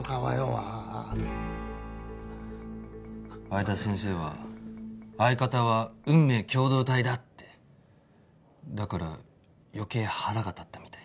相田先生は「相方は運命共同体だ」って。だから余計腹が立ったみたいで。